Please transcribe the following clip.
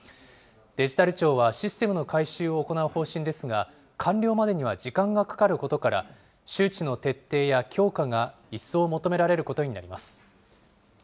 デジタル庁はシステムの改修を行う方針ですが、完了までには時間がかかることから、周知の徹底や強化が一層求められることになります。